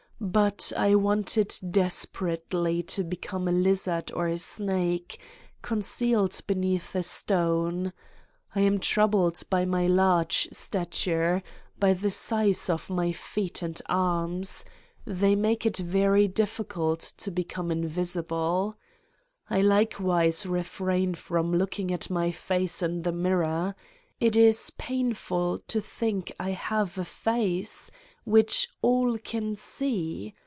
But I wanted desperately to become a lizzard or a snake, concealed beneath a stone: I am troubled by my large stature, by the size of my feet and arms: They make it very difficult to become invisible. I 139 Satan's Diary likewise refrain from looking at my face in the mirror : it is painful to think I have a face, which all can see.